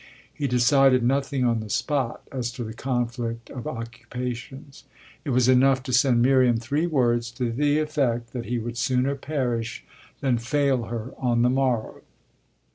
He decided nothing on the spot as to the conflict of occupations it was enough to send Miriam three words to the effect that he would sooner perish than fail her on the morrow.